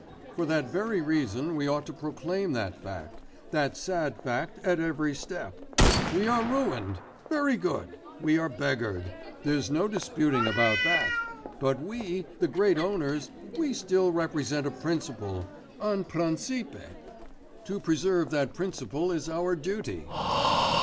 For that very reason we ought to proclaim that fact ... that sad fact at every step. We are ruined ... very good; we are beggared ... there's no disputing about that; but we, the great owners, we still represent a principle ... un principe. To preserve that principle is our duty.